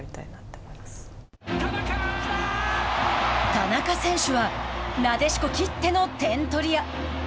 田中選手はなでしこきっての点取り屋！